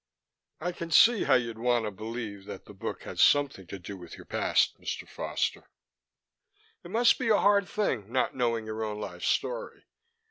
"I can see how you'd want to believe the book had something to do with your past, Mr. Foster," I said. "It must be a hard thing, not knowing your own life story.